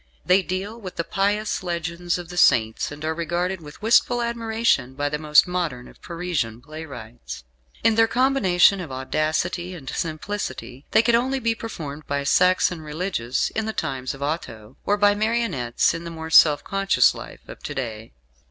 They deal with the pious legends of the Saints, and are regarded with wistful admiration by the most modern of Parisian playwrights. In their combination of audacity and simplicity they could only be performed by Saxon religious in the times of Otho, or by marionettes in the more self conscious life of to day.